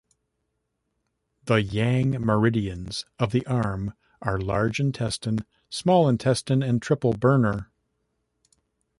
The Yang meridians of the arm are Large Intestine, Small Intestine, and Triple Burner.